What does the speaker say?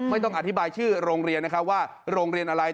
ไม่ต้องอธิบายชื่อโรงเรียนนะครับว่าโรงเรียนอะไร